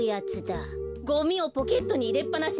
ゴミをポケットにいれっぱなしにしないで。